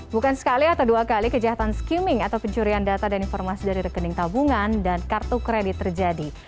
bukan sekali atau dua kali kejahatan skimming atau pencurian data dan informasi dari rekening tabungan dan kartu kredit terjadi